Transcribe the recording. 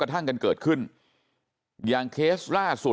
ทำให้สัมภาษณ์อะไรต่างนานไปออกรายการเยอะแยะไปหมด